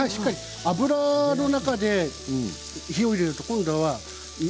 油の中で火を入れると今度は。